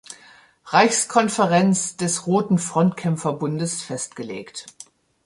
Reichskonferenz des Roten Frontkämpferbundes festgelegt.